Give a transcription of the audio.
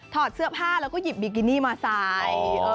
ถอดเสื้อผ้าแล้วก็หยิบบิกินี่มาใส่